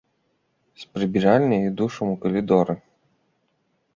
З прыбіральняй і душам у калідоры.